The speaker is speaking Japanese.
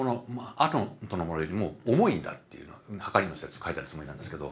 あとのものよりも重いんだっていうのをはかりに載せて書いたつもりなんですけど。